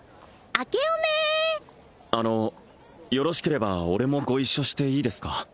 あけおめあのよろしければ俺もご一緒していいですか？